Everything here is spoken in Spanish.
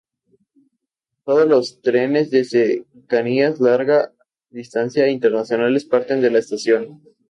Todos los trenes de cercanías, larga distancia e internacionales parten de la estación.